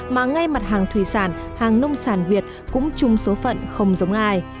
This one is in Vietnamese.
mà ngay mặt hàng thủy sản hàng nông sản việt cũng chung số phận không giống ai